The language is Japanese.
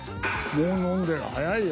もう飲んでる早いよ。